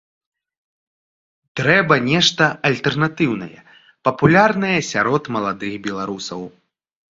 Трэба нешта альтэрнатыўнае, папулярнае сярод маладых беларусаў.